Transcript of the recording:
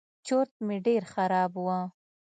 چورت مې ډېر خراب و.